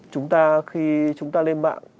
chúng ta khi chúng ta lên mạng